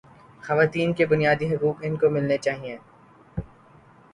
خواتین کے بنیادی حقوق ان کو ملنے چاہیے